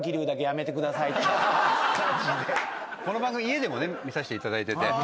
この番組家でも見させていただいてて。